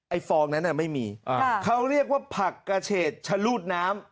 ฟองนั้นไม่มีเขาเรียกว่าผักกระเฉดชะลูดน้ำ